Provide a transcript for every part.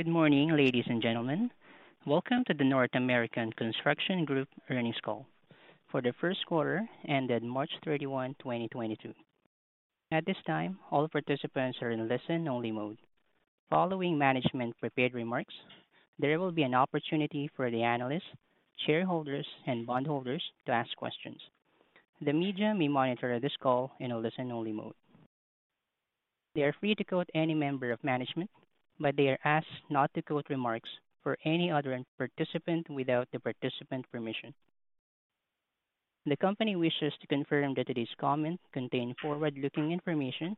Good morning, ladies and gentlemen. Welcome to the North American Construction Group earnings call for the first quarter ended March 31, 2022. At this time, all participants are in listen only mode. Following management prepared remarks, there will be an opportunity for the analysts, shareholders and bondholders to ask questions. The media may monitor this call in a listen only mode. They are free to quote any member of management, but they are asked not to quote remarks for any other participant without the participant permission. The company wishes to confirm that today's comments contain forward-looking information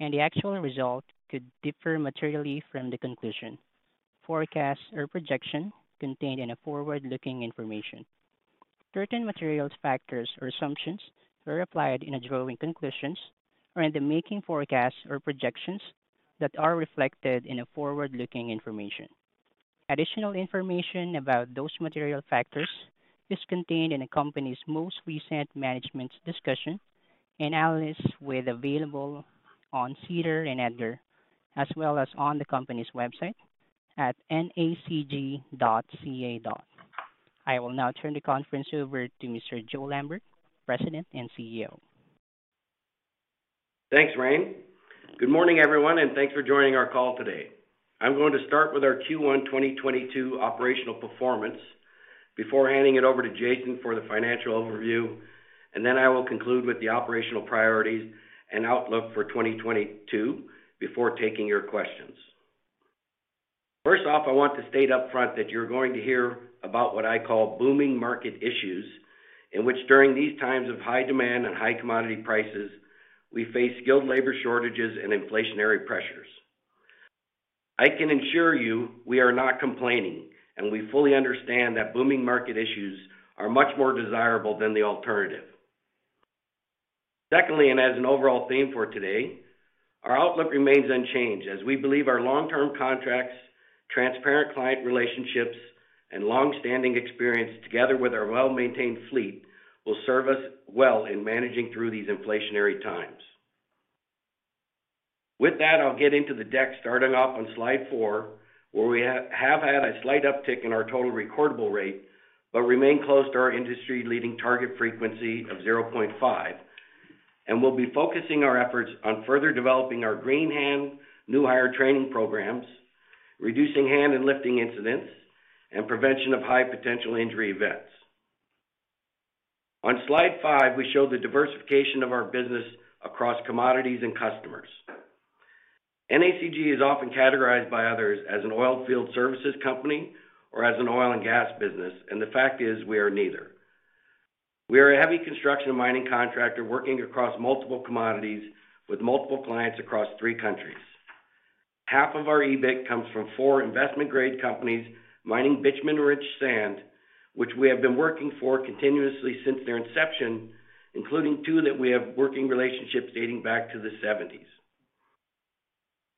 and the actual result could differ materially from the conclusion, forecast or projection contained in a forward-looking information. Certain materials, factors or assumptions are applied in drawing conclusions or in the making forecasts or projections that are reflected in a forward-looking information. Additional information about those material factors is contained in the company's most recent management's discussion and analysis, which is available on SEDAR and EDGAR, as well as on the company's website at nacg.ca. I will now turn the conference over to Mr. Joe Lambert, President and CEO. Thanks, Raine. Good morning, everyone, and thanks for joining our call today. I'm going to start with our Q1 2022 operational performance before handing it over to Jason for the financial overview. I will conclude with the operational priorities and outlook for 2022 before taking your questions. First off, I want to state upfront that you're going to hear about what I call booming market issues, in which during these times of high demand and high commodity prices, we face skilled labor shortages and inflationary pressures. I can assure you we are not complaining, and we fully understand that booming market issues are much more desirable than the alternative. Secondly, as an overall theme for today, our outlook remains unchanged as we believe our long term contracts, transparent client relationships, and long-standing experience together with our well-maintained fleet will serve us well in managing through these inflationary times. With that, I'll get into the deck starting off on slide four, where we have had a slight uptick in our total recordable rate, but remain close to our industry leading target frequency of 0.5. We'll be focusing our efforts on further developing our green hand new hire training programs, reducing hand and lifting incidents, and prevention of high potential injury events. On slide five, we show the diversification of our business across commodities and customers. NACG is often categorized by others as an oilfield services company or as an oil and gas business, and the fact is we are neither. We are a heavy construction mining contractor working across multiple commodities with multiple clients across three countries. Half of our EBIT comes from four investment-grade companies mining bitumen rich sand, which we have been working for continuously since their inception, including two that we have working relationships dating back to the seventies.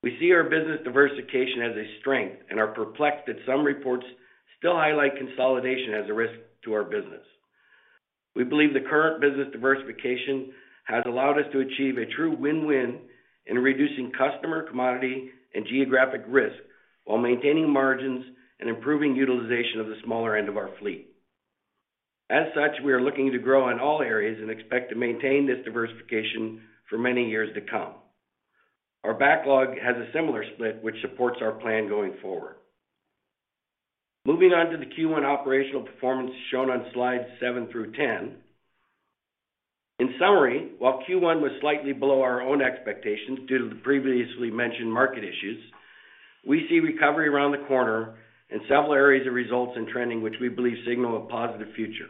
We see our business diversification as a strength and are perplexed that some reports still highlight consolidation as a risk to our business. We believe the current business diversification has allowed us to achieve a true win-win in reducing customer commodity and geographic risk while maintaining margins and improving utilization of the smaller end of our fleet. As such, we are looking to grow in all areas and expect to maintain this diversification for many years to come. Our backlog has a similar split which supports our plan going forward. Moving on to the Q1 operational performance shown on slides 7 through 10. In summary, while Q1 was slightly below our own expectations due to the previously mentioned market issues, we see recovery around the corner in several areas of results and trending which we believe signal a positive future.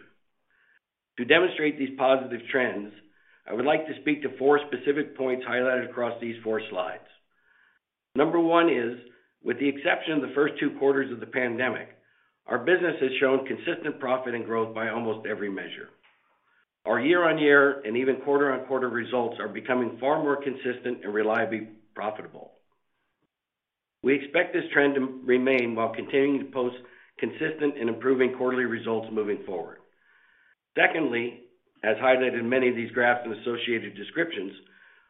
To demonstrate these positive trends, I would like to speak to four specific points highlighted across these four slides. Number one is, with the exception of the first two quarters of the pandemic, our business has shown consistent profit and growth by almost every measure. Our year-on-year and even quarter-on-quarter results are becoming far more consistent and reliably profitable. We expect this trend to remain while continuing to post consistent and improving quarterly results moving forward. Secondly, as highlighted in many of these graphs and associated descriptions,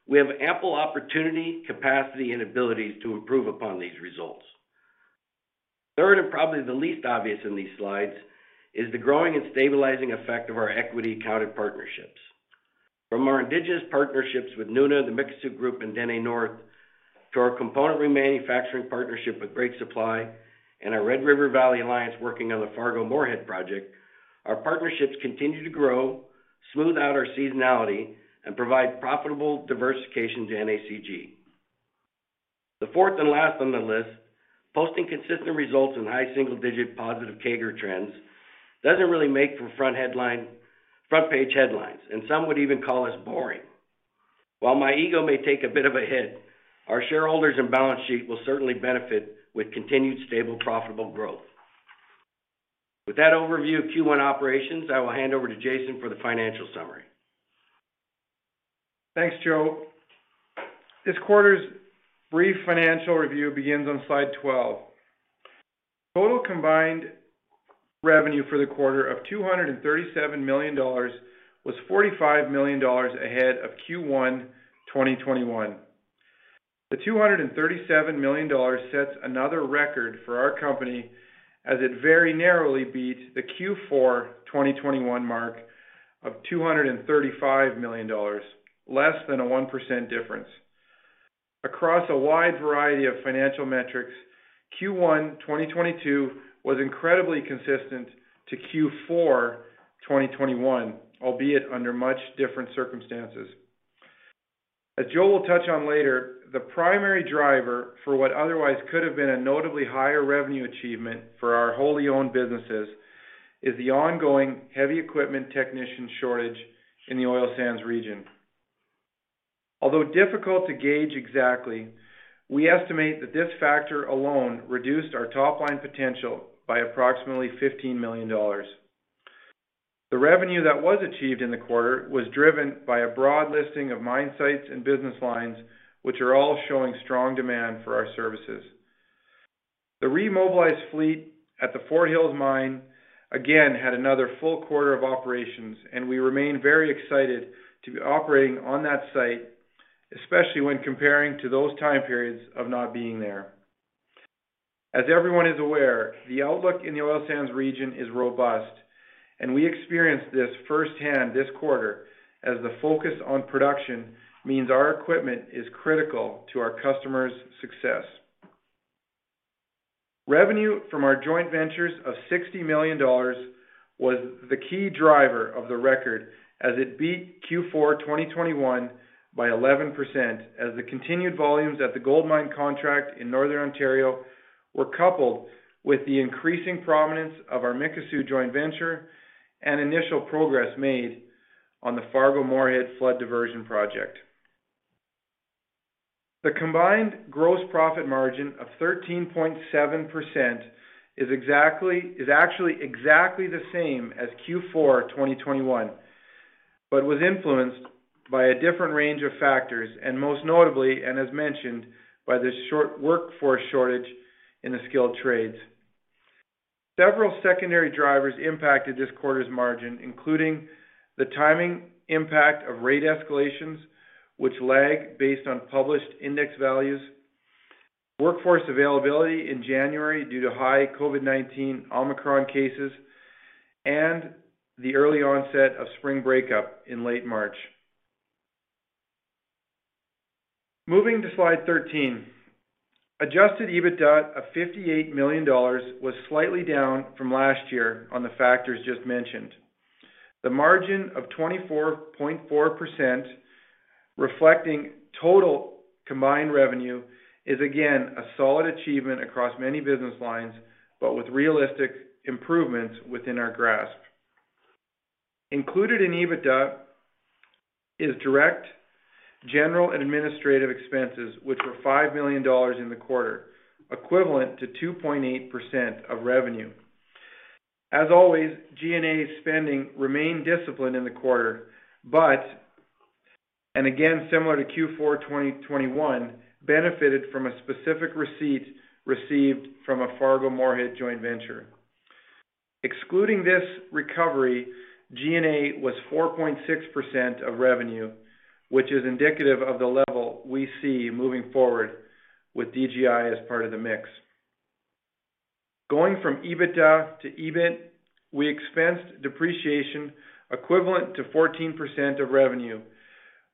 we have ample opportunity, capacity and abilities to improve upon these results. Third, and probably the least obvious in these slides, is the growing and stabilizing effect of our equity accounted partnerships. From our indigenous partnerships with Nuna, the Mikisew Group and Dene North, to our componentry manufacturing partnership with Great Plains and our Red River Valley Alliance working on the Fargo-Moorhead project, our partnerships continue to grow, smooth out our seasonality and provide profitable diversification to NACG. The fourth and last on the list, posting consistent results in high single digit positive CAGR trends doesn't really make for front page headlines, and some would even call us boring. While my ego may take a bit of a hit, our shareholders and balance sheet will certainly benefit with continued stable, profitable growth. With that overview of Q1 operations, I will hand over to Jason for the financial summary. Thanks, Joe. This quarter's brief financial review begins on slide 12. Total combined revenue for the quarter of 237 million dollars was 45 million dollars ahead of Q1 2021. The 237 million dollars sets another record for our company as it very narrowly beats the Q4 2021 mark of 235 million dollars, less than a 1% difference. Across a wide variety of financial metrics, Q1 2022 was incredibly consistent to Q4 2021, albeit under much different circumstances. As Joe will touch on later, the primary driver for what otherwise could have been a notably higher revenue achievement for our wholly owned businesses is the ongoing heavy equipment technician shortage in the oil sands region. Although difficult to gauge exactly, we estimate that this factor alone reduced our top line potential by approximately 15 million dollars. The revenue that was achieved in the quarter was driven by a broad listing of mine sites and business lines, which are all showing strong demand for our services. The remobilized fleet at the Fort Hills mine again had another full quarter of operations, and we remain very excited to be operating on that site, especially when comparing to those time periods of not being there. As everyone is aware, the outlook in the oil sands region is robust, and we experienced this firsthand this quarter as the focus on production means our equipment is critical to our customers' success. Revenue from our joint ventures of 60 million dollars was the key driver of the record as it beat Q4 2021 by 11% as the continued volumes at the gold mine contract in Northern Ontario were coupled with the increasing prominence of our Mikisew joint venture and initial progress made on the Fargo-Moorhead Flood Diversion project. The combined gross profit margin of 13.7% is actually exactly the same as Q4 2021, but was influenced by a different range of factors, and most notably, and as mentioned, by the workforce shortage in the skilled trades. Several secondary drivers impacted this quarter's margin, including the timing impact of rate escalations, which lag based on published index values, workforce availability in January due to high COVID-19 Omicron cases, and the early onset of spring breakup in late March. Moving to slide 13. Adjusted EBITDA of 58 million dollars was slightly down from last year on the factors just mentioned. The margin of 24.4% reflecting total combined revenue is again a solid achievement across many business lines, but with realistic improvements within our grasp. Included in EBITDA is direct general and administrative expenses, which were 5 million dollars in the quarter, equivalent to 2.8% of revenue. As always, G&A spending remained disciplined in the quarter, but, and again, similar to Q4 2021, benefited from a specific receipt received from a Fargo-Moorhead joint venture. Excluding this recovery, G&A was 4.6% of revenue, which is indicative of the level we see moving forward with DGI as part of the mix. Going from EBITDA to EBIT, we expensed depreciation equivalent to 14% of revenue,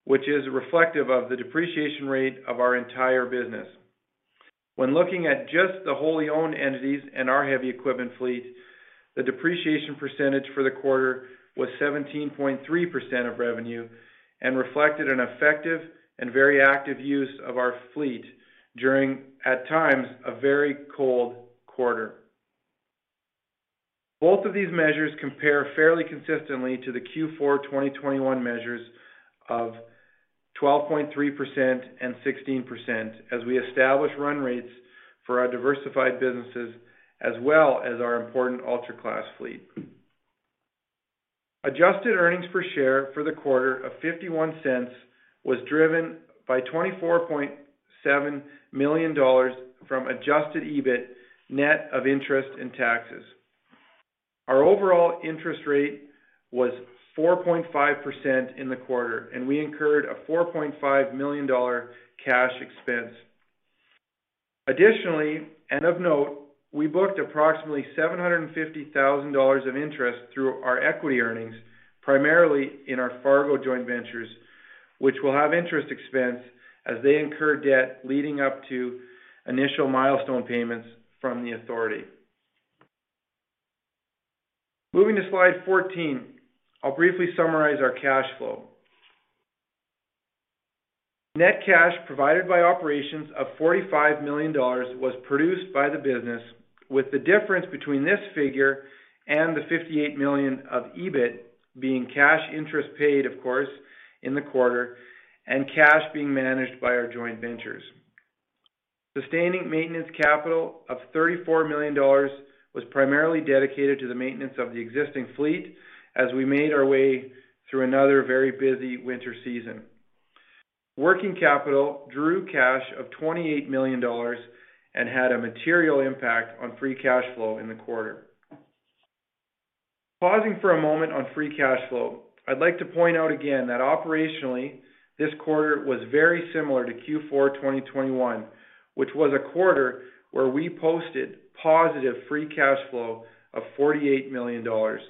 which is reflective of the depreciation rate of our entire business. When looking at just the wholly owned entities and our heavy equipment fleet, the depreciation percentage for the quarter was 17.3% of revenue and reflected an effective and very active use of our fleet during, at times, a very cold quarter. Both of these measures compare fairly consistently to the Q4 2021 measures of 12.3% and 16% as we establish run rates for our diversified businesses as well as our important ultra-class fleet. Adjusted earnings per share for the quarter of 0.51 was driven by 24.7 million dollars from adjusted EBIT net of interest and taxes. Our overall interest rate was 4.5% in the quarter, and we incurred a 4.5 million dollar cash expense. Of note, we booked approximately $750,000 of interest through our equity earnings, primarily in our Fargo joint ventures, which will have interest expense as they incur debt leading up to initial milestone payments from the authority. Moving to slide 14, I'll briefly summarize our cash flow. Net cash provided by operations of 45 million dollars was produced by the business, with the difference between this figure and the 58 million of EBIT being cash interest paid, of course, in the quarter and cash being managed by our joint ventures. Sustaining maintenance capital of 34 million dollars was primarily dedicated to the maintenance of the existing fleet as we made our way through another very busy winter season. Working capital drew cash of 28 million dollars and had a material impact on free cash flow in the quarter. Pausing for a moment on free cash flow, I'd like to point out again that operationally this quarter was very similar to Q4 2021, which was a quarter where we posted positive free cash flow of 48 million dollars.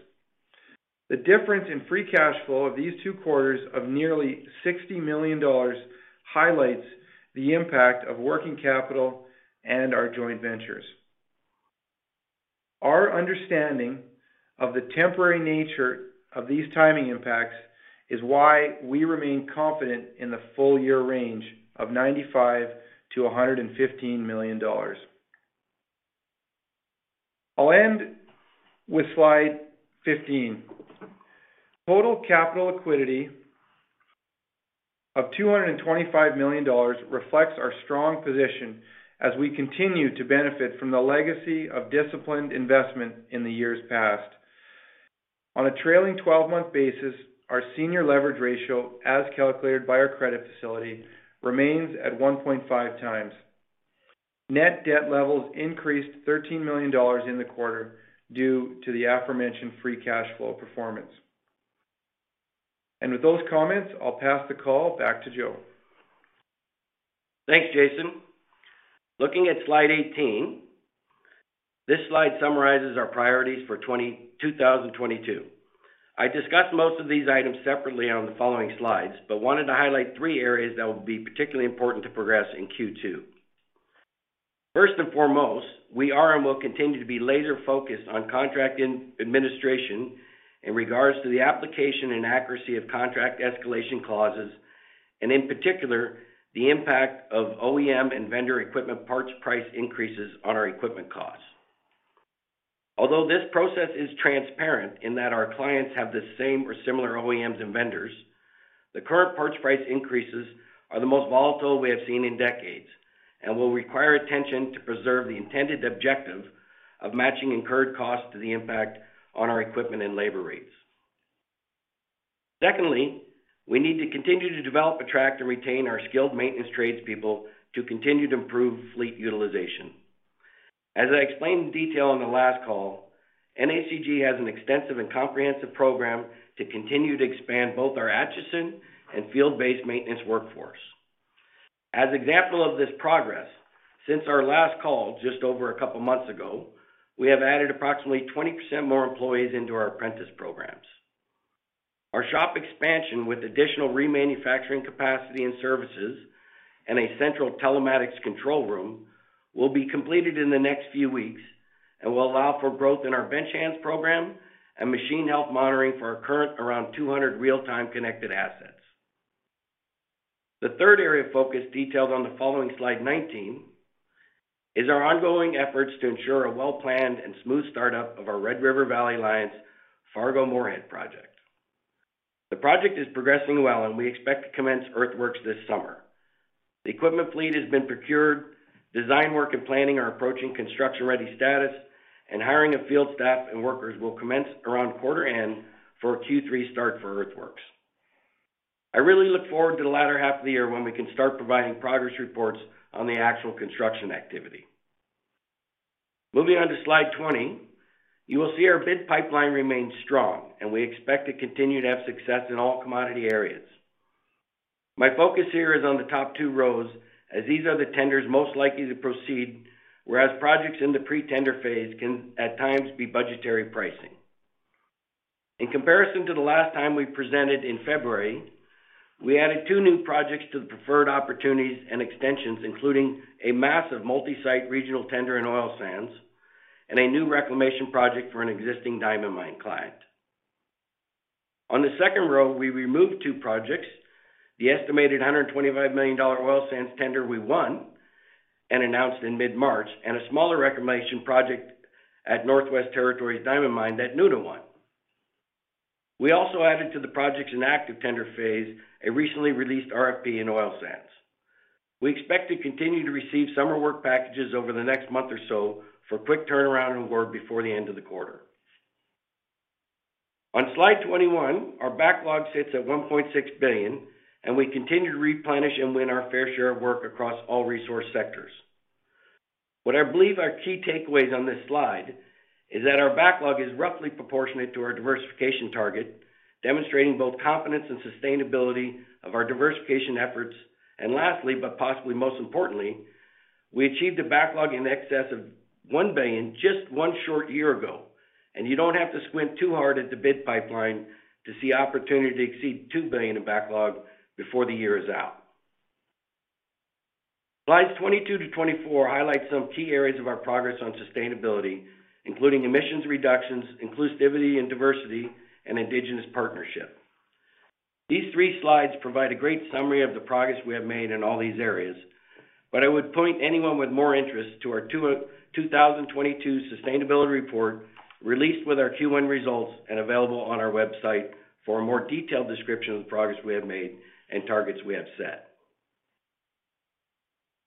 The difference in free cash flow of these two quarters of nearly 60 million dollars highlights the impact of working capital and our joint ventures. Our understanding of the temporary nature of these timing impacts is why we remain confident in the full year range of 95 million-115 million dollars. I'll end with slide 15. Total capital liquidity of 225 million dollars reflects our strong position as we continue to benefit from the legacy of disciplined investment in the years past. On a trailing twelve-month basis, our senior leverage ratio, as calculated by our credit facility, remains at 1.5 times. Net debt levels increased 13 million dollars in the quarter due to the aforementioned free cash flow performance. With those comments, I'll pass the call back to Joe. Thanks, Jason. Looking at slide 18, this slide summarizes our priorities for 2022. I discussed most of these items separately on the following slides, but wanted to highlight three areas that will be particularly important to progress in Q2. First and foremost, we are and will continue to be laser focused on contract administration in regards to the application and accuracy of contract escalation clauses, and in particular, the impact of OEM and vendor equipment parts price increases on our equipment costs. Although this process is transparent in that our clients have the same or similar OEMs and vendors, the current parts price increases are the most volatile we have seen in decades and will require attention to preserve the intended objective of matching incurred costs to the impact on our equipment and labor rates. Secondly, we need to continue to develop, attract, and retain our skilled maintenance tradespeople to continue to improve fleet utilization. As I explained in detail on the last call, NACG has an extensive and comprehensive program to continue to expand both our Acheson and field-based maintenance workforce. As example of this progress, since our last call just over a couple months ago, we have added approximately 20% more employees into our apprentice programs. Our shop expansion with additional remanufacturing capacity and services and a central telematics control room will be completed in the next few weeks and will allow for growth in our bench hands program and machine health monitoring for our current around 200 real-time connected assets. The third area of focus detailed on the following slide 19 is our ongoing efforts to ensure a well-planned and smooth startup of our Red River Valley Alliance Fargo-Moorhead project. The project is progressing well, and we expect to commence earthworks this summer. The equipment fleet has been procured, design work and planning are approaching construction-ready status, and hiring of field staff and workers will commence around quarter end for a Q3 start for earthworks. I really look forward to the latter half of the year when we can start providing progress reports on the actual construction activity. Moving on to slide 20, you will see our bid pipeline remains strong, and we expect to continue to have success in all commodity areas. My focus here is on the top two rows, as these are the tenders most likely to proceed, whereas projects in the pre-tender phase can at times be budgetary pricing. In comparison to the last time we presented in February, we added two new projects to the preferred opportunities and extensions, including a massive multi-site regional tender in oil sands and a new reclamation project for an existing diamond mine client. On the second row, we removed two projects, the estimated 125 million dollar oil sands tender we won and announced in mid-March, and a smaller reclamation project at Northwest Territories diamond mine that Nuna won. We also added to the projects in active tender phase a recently released RFP in oil sands. We expect to continue to receive summer work packages over the next month or so for quick turnaround and work before the end of the quarter. On slide 21, our backlog sits at 1.6 billion, and we continue to replenish and win our fair share of work across all resource sectors. What I believe are key takeaways on this slide is that our backlog is roughly proportionate to our diversification target, demonstrating both confidence and sustainability of our diversification efforts. Lastly, but possibly most importantly, we achieved a backlog in excess of 1 billion just 1 short year ago, and you don't have to squint too hard at the bid pipeline to see opportunity to exceed 2 billion in backlog before the year is out. Slides 22-24 highlight some key areas of our progress on sustainability, including emissions reductions, inclusivity and diversity, and indigenous partnership. These three slides provide a great summary of the progress we have made in all these areas. I would point anyone with more interest to our 2022 sustainability report released with our Q1 results and available on our website for a more detailed description of the progress we have made and targets we have set.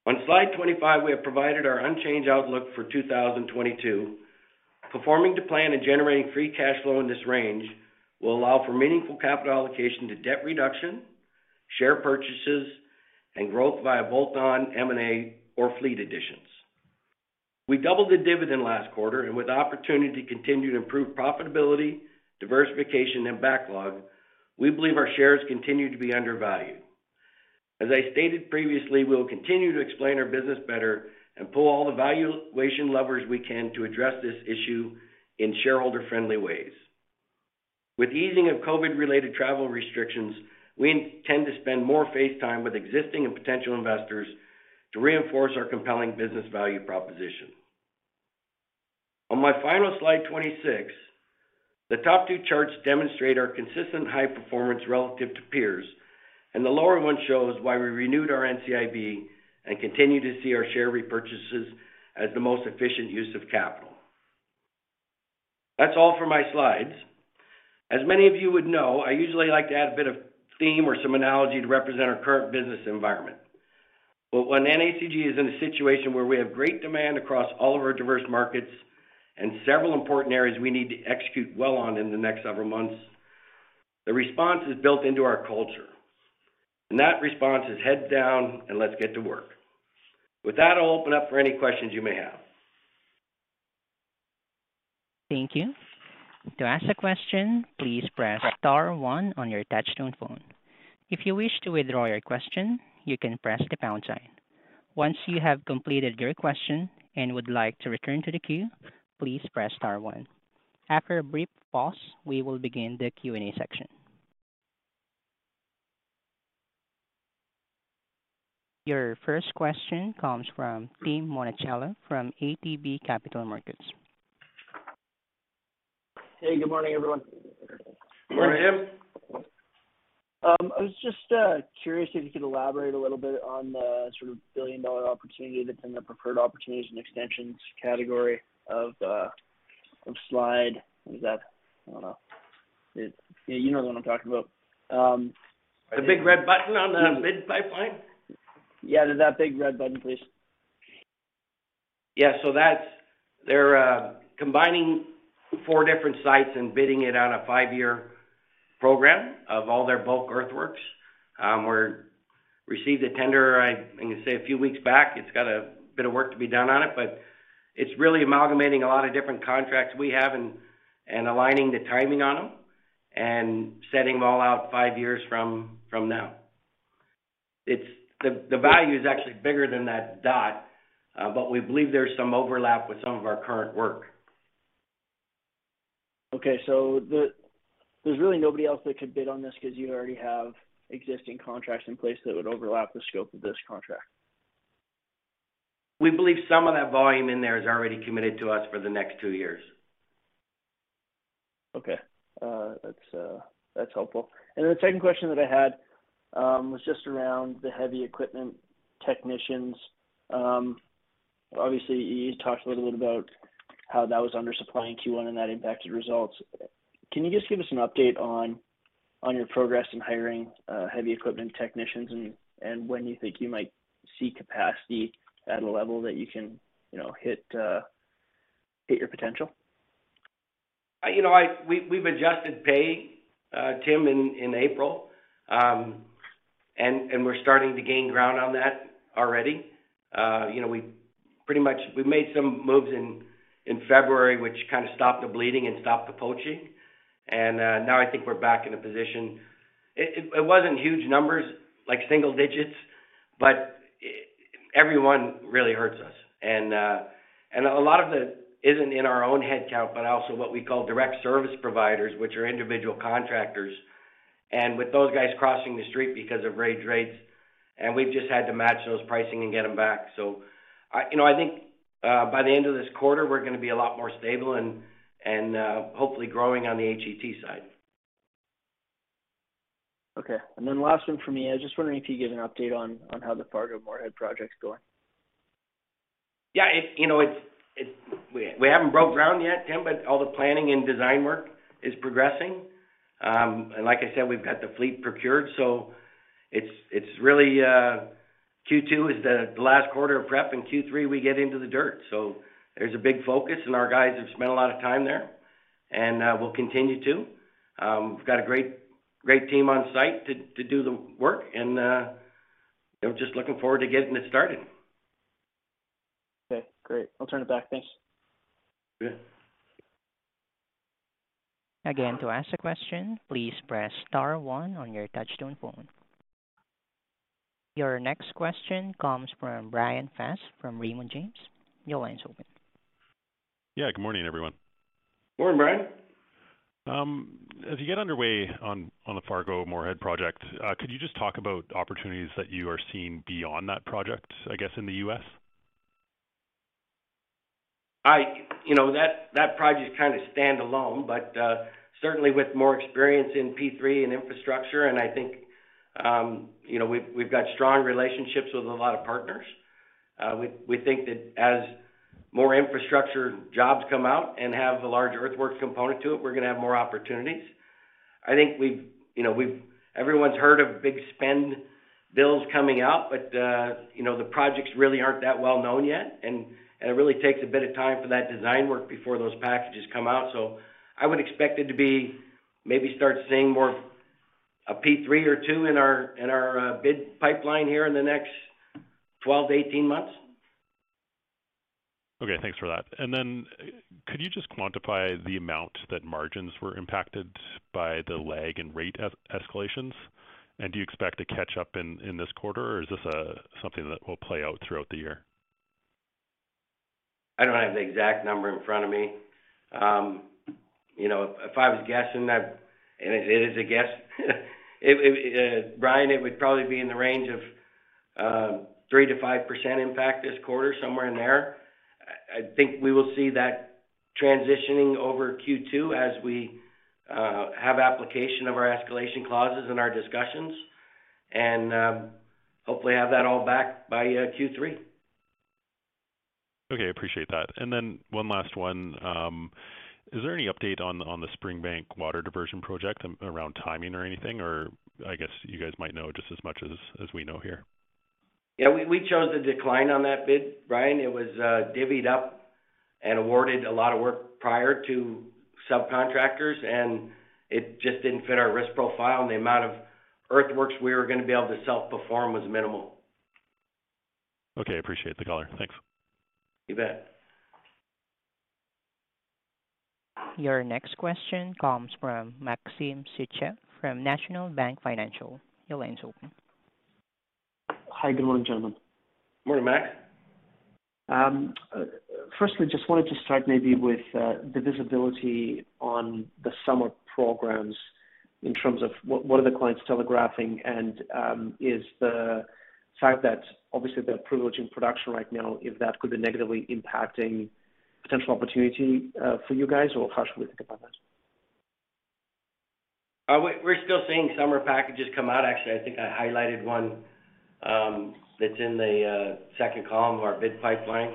On slide 25, we have provided our unchanged outlook for 2022. Performing to plan and generating free cash flow in this range will allow for meaningful capital allocation to debt reduction, share purchases, and growth via bolt-on M&A or fleet additions. We doubled the dividend last quarter, and with opportunity to continue to improve profitability, diversification, and backlog, we believe our shares continue to be undervalued. As I stated previously, we will continue to explain our business better and pull all the valuation levers we can to address this issue in shareholder-friendly ways. With easing of COVID related travel restrictions, we intend to spend more face time with existing and potential investors to reinforce our compelling business value proposition. On my final slide 26, the top two charts demonstrate our consistent high performance relative to peers, and the lower one shows why we renewed our NCIB and continue to see our share repurchases as the most efficient use of capital. That's all for my slides. As many of you would know, I usually like to add a bit of theme or some analogy to represent our current business environment. When NACG is in a situation where we have great demand across all of our diverse markets and several important areas we need to execute well on in the next several months, the response is built into our culture. That response is head down and let's get to work. With that, I'll open up for any questions you may have. Thank you. To ask a question, please press star one on your touchtone phone. If you wish to withdraw your question, you can press the pound sign. Once you have completed your question and would like to return to the queue, please press star one. After a brief pause, we will begin the Q&A section. Your first question comes from Tim Monachello from ATB Capital Markets. Hey, good morning, everyone. Morning, Tim. I was just curious if you could elaborate a little bit on the sort of billion-dollar opportunity that's in the preferred opportunities and extensions category of slide. What is that? I don't know. You know the one I'm talking about. The big red button on the bid pipeline? Yeah. There's that big red button, please. They're combining four different sites and bidding it on a five-year program of all their bulk earthworks. We received a tender, I can say, a few weeks back. It's got a bit of work to be done on it, but it's really amalgamating a lot of different contracts we have and aligning the timing on them and setting them all out five years from now. The value is actually bigger than that though, but we believe there's some overlap with some of our current work. There's really nobody else that could bid on this 'cause you already have existing contracts in place that would overlap the scope of this contract. We believe some of that volume in there is already committed to us for the next two years. Okay. That's helpful. Then the second question that I had was just around the heavy equipment technicians. Obviously, you talked a little bit about how that was under supplying Q1 and that impacted results. Can you just give us an update on your progress in hiring heavy equipment technicians and when you think you might see capacity at a level that you can, you know, hit your potential? You know, we've adjusted pay, Tim, in April. We're starting to gain ground on that already. You know, we made some moves in February, which kind of stopped the bleeding and stopped the poaching. Now I think we're back in a position. It wasn't huge numbers like single digits, but everyone really hurts us. A lot of it isn't in our own headcount, but also what we call direct service providers, which are individual contractors. With those guys crossing the street because of wage rates, we've just had to match those pricing and get them back. You know, I think by the end of this quarter, we're gonna be a lot more stable and hopefully growing on the HET side. Okay. Last one for me. I was just wondering if you could give an update on how the Fargo-Moorhead project's going? Yeah. We haven't broke ground yet, Tim, but all the planning and design work is progressing. Like I said, we've got the fleet procured. It's really Q2 is the last quarter of prep. In Q3, we get into the dirt. There's a big focus, and our guys have spent a lot of time there. We'll continue to. We've got a great team on site to do the work, and they're just looking forward to getting it started. Okay, great. I'll turn it back. Thanks. Yeah. Again, to ask a question, please press star one on your touch-tone phone. Your next question comes from Bryan Fast from Raymond James. Your line's open. Yeah, good morning, everyone. Morning, Bryan. As you get underway on the Fargo-Moorhead project, could you just talk about opportunities that you are seeing beyond that project, I guess, in the U.S.? You know, that project is kind of standalone, but certainly with more experience in P3 and infrastructure, and I think, you know, we've got strong relationships with a lot of partners. We think that as more infrastructure jobs come out and have a large earthwork component to it, we're gonna have more opportunities. I think we've, you know, everyone's heard of big spend bills coming out, but, you know, the projects really aren't that well-known yet, and it really takes a bit of time for that design work before those packages come out. I would expect it to be maybe start seeing more a P3 or two in our bid pipeline here in the next 12-18 months. Okay. Thanks for that. Could you just quantify the amount that margins were impacted by the lag in rate escalations? Do you expect to catch up in this quarter, or is this something that will play out throughout the year? I don't have the exact number in front of me. You know, if I was guessing that, and it is a guess, it, Bryan, it would probably be in the range of 3%-5% impact this quarter, somewhere in there. I think we will see that transitioning over Q2 as we have application of our escalation clauses in our discussions, and hopefully have that all back by Q3. Okay. Appreciate that. Then one last one. Is there any update on the Springbank water diversion project around timing or anything? Or I guess you guys might know just as much as we know here. Yeah, we chose to decline on that bid, Bryan. It was divvied up and awarded a lot of work prior to subcontractors, and it just didn't fit our risk profile, and the amount of earthworks we were gonna be able to self-perform was minimal. Okay. Appreciate the color. Thanks. You bet. Your next question comes from Maxim Sytchev from National Bank Financial. Your line's open. Hi. Good morning, gentlemen. Morning, Max. Firstly, just wanted to start maybe with the visibility on the summer programs in terms of what are the clients telegraphing and is the fact that obviously they're privileged in production right now, if that could be negatively impacting potential opportunity for you guys, or how should we think about that? We're still seeing summer packages come out. Actually, I think I highlighted one that's in the second column of our bid pipeline.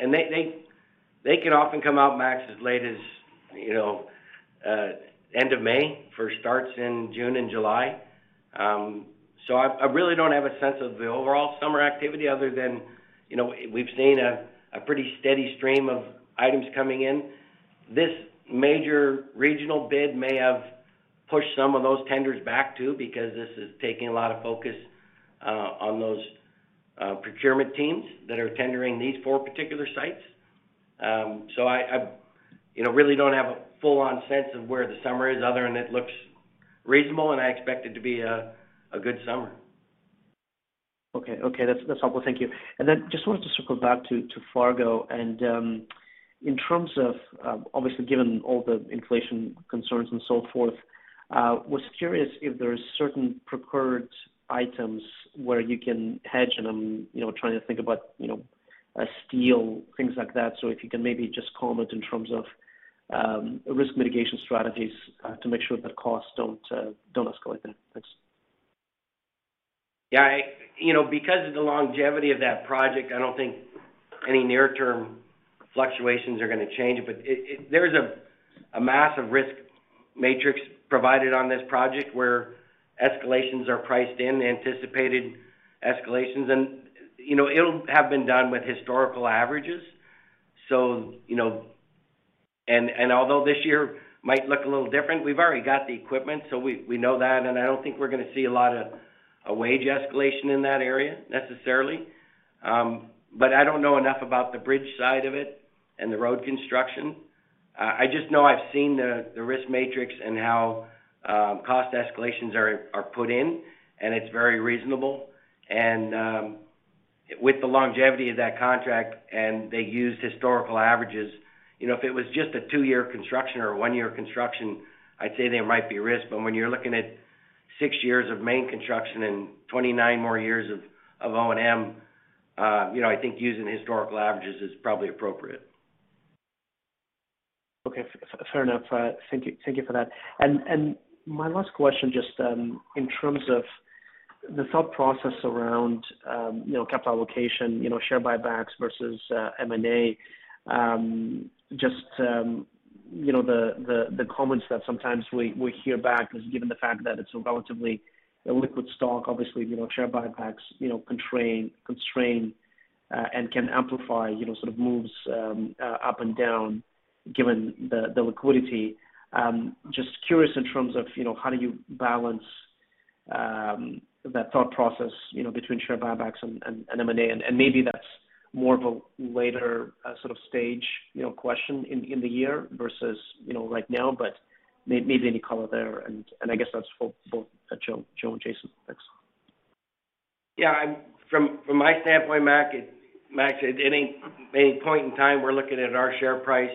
They can often come out, Max, as late as you know end of May for starts in June and July. I really don't have a sense of the overall summer activity other than you know we've seen a pretty steady stream of items coming in. This major regional bid may have pushed some of those tenders back, too, because this is taking a lot of focus on those procurement teams that are tendering these four particular sites. I you know really don't have a full-on sense of where the summer is other than it looks reasonable, and I expect it to be a good summer. Okay. That's helpful. Thank you. Just wanted to circle back to Fargo. In terms of, obviously, given all the inflation concerns and so forth, was curious if there are certain preferred items where you can hedge, and I'm you know trying to think about you know steel, things like that. If you can maybe just comment in terms of risk mitigation strategies to make sure that costs don't escalate then. Thanks. You know, because of the longevity of that project, I don't think any near-term fluctuations are gonna change. There's a massive risk matrix provided on this project where escalations are priced in, anticipated escalations. You know, it'll have been done with historical averages. You know, although this year might look a little different, we've already got the equipment, so we know that, and I don't think we're gonna see a lot of wage escalation in that area necessarily. I don't know enough about the bridge side of it and the road construction. I just know I've seen the risk matrix and how cost escalations are put in, and it's very reasonable. With the longevity of that contract, they use historical averages. You know, if it was just a 2-year construction or a 1-year construction, I'd say there might be risk. When you're looking at 6 years of main construction and 29 more years of O&M, you know, I think using historical averages is probably appropriate. Okay. Fair enough. Thank you for that. My last question, just in terms of the thought process around, you know, capital allocation, you know, share buybacks versus M&A. Just, you know, the comments that sometimes we hear back is given the fact that it's a relatively illiquid stock, obviously, you know, share buybacks, you know, constrain and can amplify, you know, sort of moves up and down given the liquidity. Just curious in terms of, you know, how do you balance that thought process, you know, between share buybacks and M&A? Maybe that's more of a later sort of stage, you know, question in the year versus, you know, right now, but maybe any color there. I guess that's for Joe and Jason. Thanks. Yeah. From my standpoint, Max, at any point in time, we're looking at our share price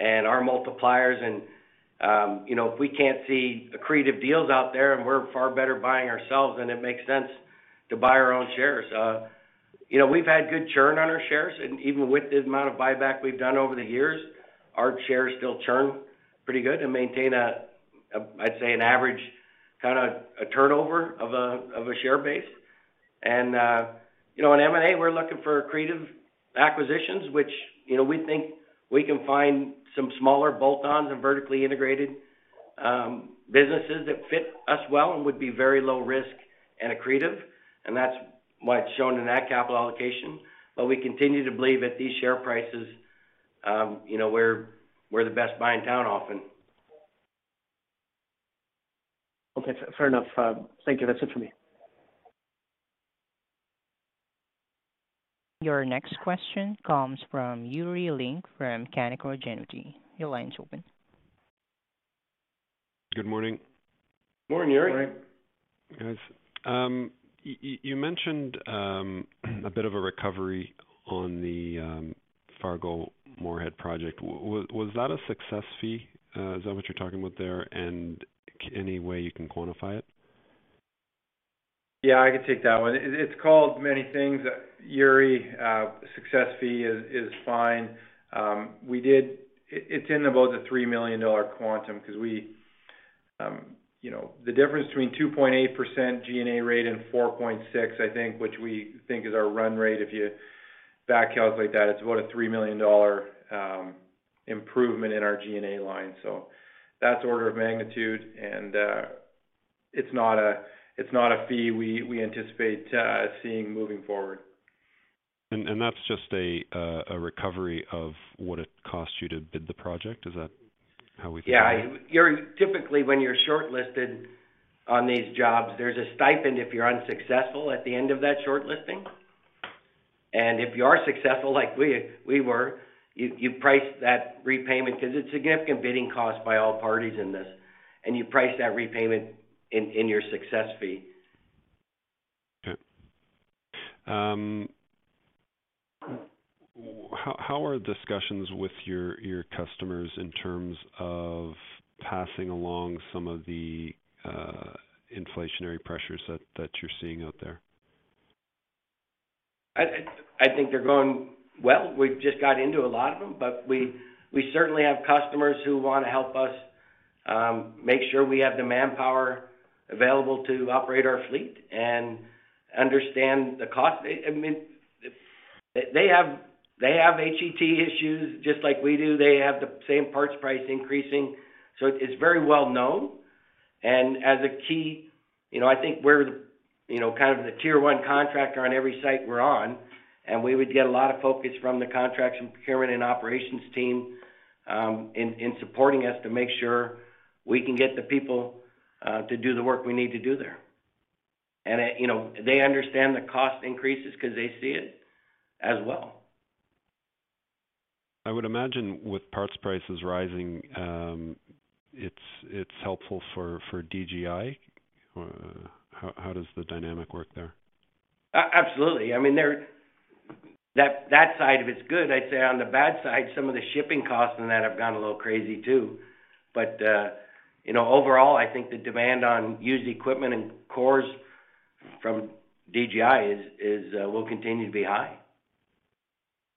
and our multiples and, you know, if we can't see accretive deals out there and we're far better buying ourselves, then it makes sense to buy our own shares. You know, we've had good churn on our shares. Even with the amount of buyback we've done over the years, our shares still churn pretty good and maintain a, I'd say, an average kinda a turnover of a share base. You know, in M&A, we're looking for accretive acquisitions, which, you know, we think we can find some smaller bolt-ons and vertically integrated businesses that fit us well and would be very low risk and accretive, and that's why it's shown in that capital allocation. We continue to believe at these share prices, you know, we're the best buy in town often. Okay. Fair enough. Thank you. That's it for me. Your next question comes from Yuri Lynk from Canaccord Genuity. Your line's open. Good morning. Morning, Yuri. Guys, you mentioned a bit of a recovery on the Fargo-Moorhead project. Was that a success fee? Is that what you're talking about there, and any way you can quantify it? Yeah, I can take that one. It's called many things. Yuri, success fee is fine. It's in about the 3 million dollar quantum because the difference between 2.8% G&A rate and 4.6%, I think, which we think is our run rate. If you back calculate that, it's about a 3 million dollar improvement in our G&A line. That's order of magnitude. It's not a fee we anticipate seeing moving forward. That's just a recovery of what it costs you to bid the project. Is that how we can say? Yeah. Yuri, typically, when you're shortlisted on these jobs, there's a stipend if you're unsuccessful at the end of that shortlisting. If you are successful like we were, you price that repayment because it's significant bidding cost by all parties in this, and you price that repayment in your success fee. Okay. How are discussions with your customers in terms of passing along some of the inflationary pressures that you're seeing out there? I think they're going well. We've just got into a lot of them, but we certainly have customers who wanna help us make sure we have the manpower available to operate our fleet and understand the cost. I mean, they have HET issues just like we do. They have the same parts price increasing. It's very well known. As a key, you know, I think we're the, you know, kind of the tier one contractor on every site we're on, and we would get a lot of focus from the contracts and procurement and operations team in supporting us to make sure we can get the people to do the work we need to do there. You know, they understand the cost increases 'cause they see it as well. I would imagine with parts prices rising, it's helpful for DGI. How does the dynamic work there? Absolutely. I mean, that side of it's good. I'd say on the bad side, some of the shipping costs and that have gone a little crazy too. You know, overall, I think the demand on used equipment and cores from DGI will continue to be high.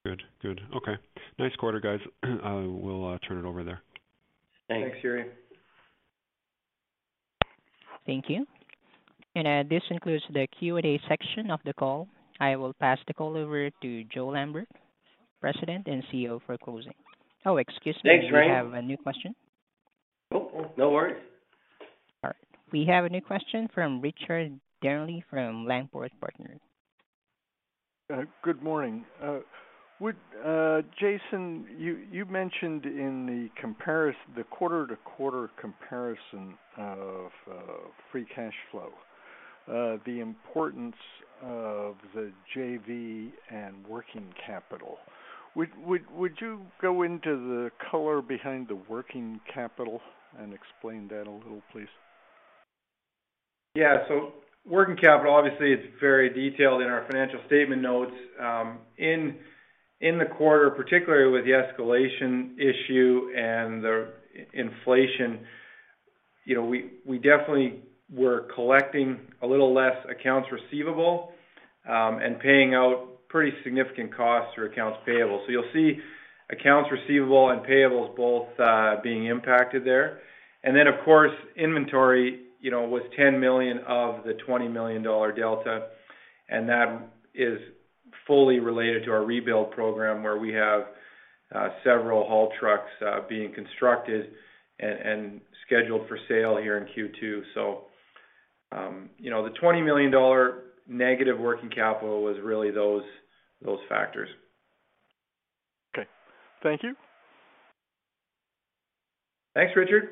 Good. Okay. Nice quarter, guys. I will turn it over there. Thanks. Thanks, Yuri. Thank you. This concludes the Q&A section of the call. I will pass the call over to Joe Lambert, President and CEO, for closing. Oh, excuse me. Thanks, Raine. We have a new question. Oh, no worries. All right. We have a new question from Richard from. Good morning. Would Jason, you mentioned in the quarter-to-quarter comparison of free cash flow, the importance of the JV and working capital. Would you go into the color behind the working capital and explain that a little, please? Yeah. Working capital, obviously it's very detailed in our financial statement notes. In the quarter, particularly with the escalation issue and the inflation, you know, we definitely were collecting a little less accounts receivable, and paying out pretty significant costs for accounts payable. You'll see accounts receivable and payables both being impacted there. Then, of course, inventory, you know, was 10 million of the 20 million dollar delta, and that is fully related to our rebuild program, where we have several haul trucks being constructed and scheduled for sale here in Q2. You know, the 20 million dollar negative working capital was really those factors. Okay. Thank you. Thanks, Richard.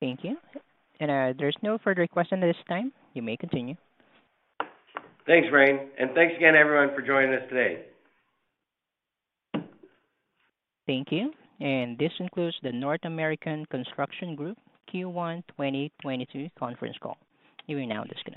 Thank you. There's no further question at this time. You may continue. Thanks, Raine. Thanks again everyone for joining us today. Thank you. This concludes the North American Construction Group Q1 2022 conference call. You may now disconnect.